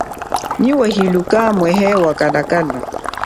Nyi wa hiluka mwehe wa kalakala.